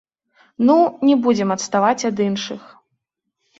Ну, не будзем адставаць ад іншых!